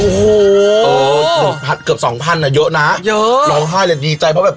โอ้โหถัดเกือบ๒๐๐๐งั้นนะเยอะนะเยอะ